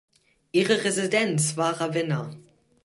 Ihre Residenz war Ravenna.